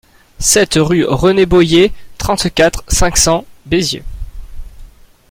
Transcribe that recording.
sept rue René Boyer, trente-quatre, cinq cents, Béziers